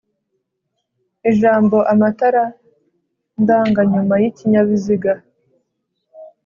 Ijambo "amatara ndanganyuma y'ikinyabiziga